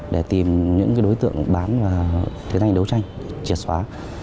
để tìm những đối tượng bán và tiến hành đấu tranh triệt xóa